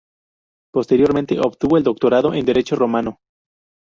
Posteriormente obtuvo el doctorado en Derecho Romano.